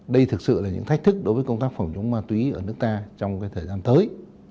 đây thực sự là những thách thức đối với công tác phòng chống ma túy ở nước ta trong thời gian tới